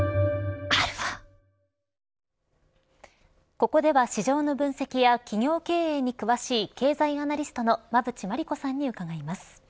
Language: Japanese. ここでは市場の分析や企業経営に詳しい経済アナリストの馬渕磨理子さんに伺います。